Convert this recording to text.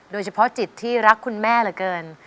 โดยเฉพาะจิตที่รักคุณแม่เหลือเกิน